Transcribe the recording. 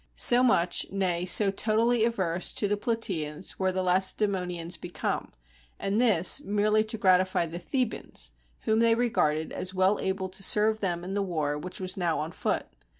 So much, nay, so totally averse to the Plataeans were the Lacedaemonians become; and this, merely to gratify the Thebans, whom they regarded as well able to serve them in the war which was now on foot.